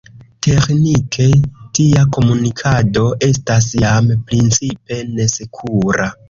Teĥnike tia komunikado estas jam principe nesekura.